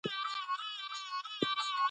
د واکسین کارت وساتئ.